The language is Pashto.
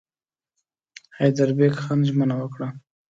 حیدربېګ خان ژمنه وکړه.